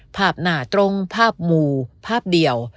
ภาพหน้าตรงภาพหมู่ภาพเดียว